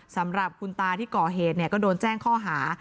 สำหรับคุณตาที่ก่อเหตุก็โดนแจ้งข้อหา